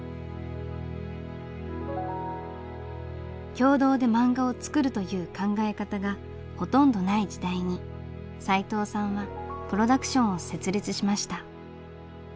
共同で漫画を作るという考え方がほとんどない時代にさいとうさんはプロダクションを設立しました。